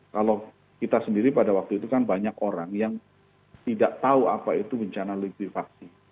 kalau kita sendiri pada waktu itu kan banyak orang yang tidak tahu apa itu bencana likuifaksi